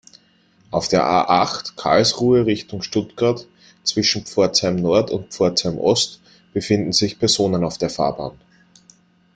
Auf der A-acht, Karlsruhe Richtung Stuttgart, zwischen Pforzheim-Nord und Pforzheim-Ost befinden sich Personen auf der Fahrbahn.